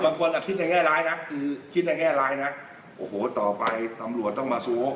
บางคนในแห้งรายก็คิดที่ทางต่อไปทำร่วมต้องมาสูบหก